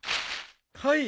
はい。